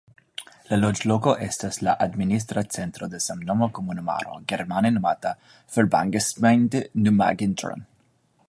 La loĝloko estas la administra centro de samnoma komunumaro, germane nomata "Verbandsgemeinde Neumagen-Dhron".